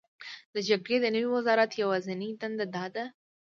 د جګړې د نوي وزرات یوازینۍ دنده دا ده: